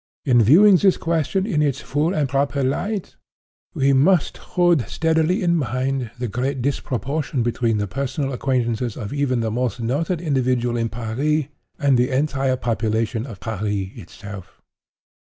In viewing this question in its full and proper light, we must hold steadily in mind the great disproportion between the personal acquaintances of even the most noted individual in Paris, and the entire population of Paris itself.